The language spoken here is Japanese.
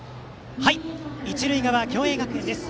一塁側、共栄学園です。